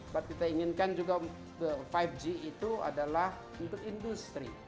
buat kita inginkan juga lima g itu adalah untuk industri